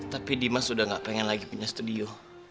tapi dimas udah gak pengen lagi punya studio